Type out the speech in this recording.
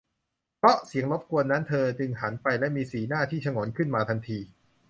เพราะเสียงรบกวนนั้น เธอจึงหันไปและมีสีหน้าที่ฉงนขึ้นมาทันที